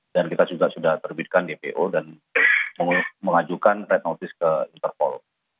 dan kita juga sudah terbitkan dpo dan mengajukan red notice ke interpol